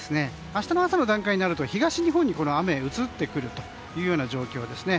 明日の朝の段階になると東日本に雨が移ってくるという状況です。